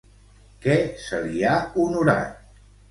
Què se li ha honorat?